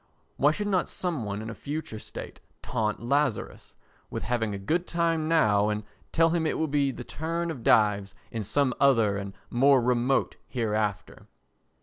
Why should not some one in a future state taunt Lazarus with having a good time now and tell him it will be the turn of Dives in some other and more remote hereafter?